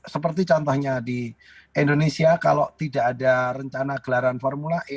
seperti contohnya di indonesia kalau tidak ada rencana gelaran formula e